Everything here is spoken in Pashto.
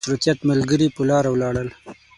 د مشروطیت ملګري په لاره ولاړل.